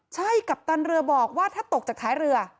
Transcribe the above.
ใช่กัปตันเรือบอกว่าถ้าตกจากท้ายเรือ